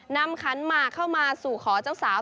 ขันหมากเข้ามาสู่ขอเจ้าสาว